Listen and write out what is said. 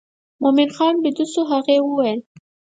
مومن خان بېده شو هغې وویل.